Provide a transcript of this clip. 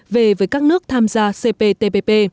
để các nước tham gia cptpp